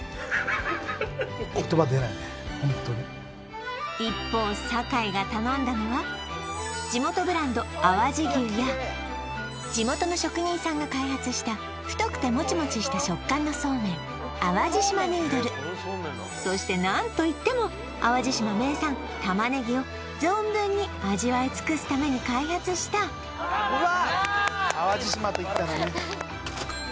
ホントに一方坂井が頼んだのは地元ブランド淡路牛や地元の職人さんが開発した太くてもちもちした食感の素麺そして何といっても淡路島名産玉ねぎを存分に味わい尽くすために開発したうわ！